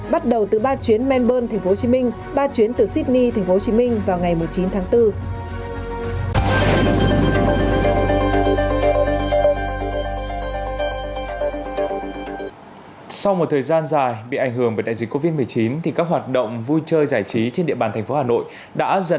bắt đầu từ ba chuyến melbourne hcm ba chuyến từ sydney hcm vào ngày chín tháng bốn